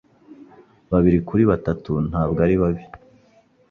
Babiri kuri batatu ntabwo ari babi.